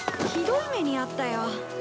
ひどい目に遭ったよ。